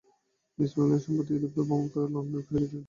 Miss McLeod সম্প্রতি Europe ভ্রমণ করে লণ্ডনে ফিরেছেন।